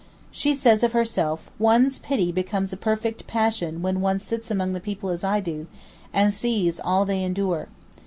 She says of herself: "one's pity becomes a perfect passion when one sits among the people as I do, and sees all they endure.